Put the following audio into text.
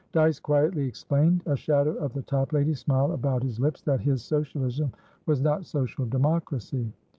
Dyce quietly explained (a shadow of the Toplady smile about his lips) that his Socialism was not Social democracy.